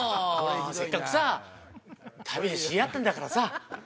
せっかくさ旅で知り合ったんだからさ。